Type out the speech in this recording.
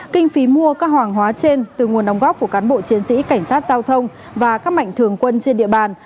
kinh phí mua các hoàng hóa trên từ nguồn đóng góp của cán bộ chiến sĩ cảnh sát giao thông và các mạnh thường quân trên địa bàn